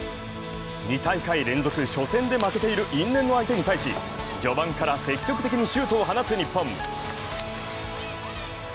２大会連続、初戦で負けている因縁の相手に対し序盤から積極的にシュートを放つ日本。